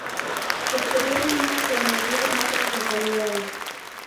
Posteriormente se añadieron otras localidades.